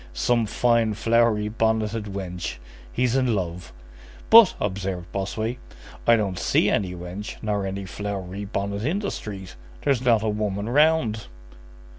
"Some fine, flowery bonneted wench! He's in love." "But," observed Bossuet, "I don't see any wench nor any flowery bonnet in the street. There's not a woman round."